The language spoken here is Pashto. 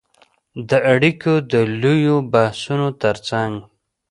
د اړیکو د لویو بحثونو ترڅنګ